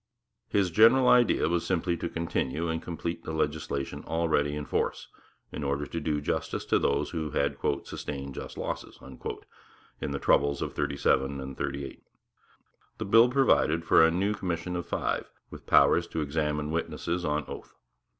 His general idea was simply to continue and complete the legislation already in force, in order to do justice to those who had 'sustained just losses' in the 'troubles' of '37 and '38. The bill provided for a new commission of five, with power to examine witnesses on oath.